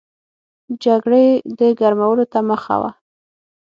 د جګړې د ګرمولو ته مخه وه.